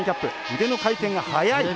腕の回転が速い。